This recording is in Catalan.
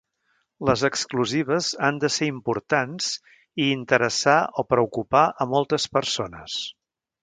Les exclusives han de ser importants i interessar o preocupar a moltes persones.